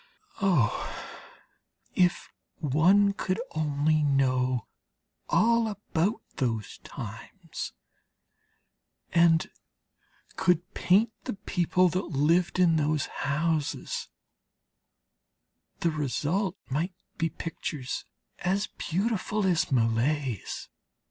Oh, if one could only know all about those times, and could paint the people that lived in those houses, the result might be pictures as beautiful as Millet's.